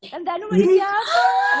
kan hanum ada siapa